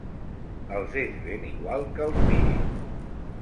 Els és ben igual que els mirin.